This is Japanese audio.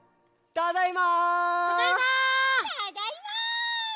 ただいま！